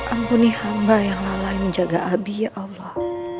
ampuni hamba yang lalai menjaga abi ya allah